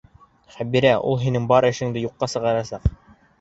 Хәбирә, ул һинең бар эшеңде юҡҡа сығарасаҡ!